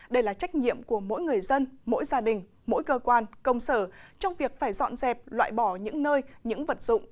đây là trách nhiệm của mỗi người dân mỗi gia đình mỗi cơ quan công sở trong việc phải dọn dẹp loại bỏ những nơi những vật dụng